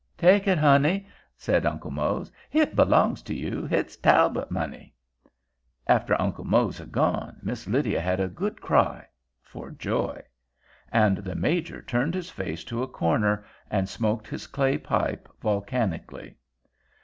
"Take it, honey," said Uncle Mose. "Hit belongs to you. Hit's Talbot money." After Uncle Mose had gone, Miss Lydia had a good cry— for joy; and the Major turned his face to a corner, and smoked his clay pipe volcanically.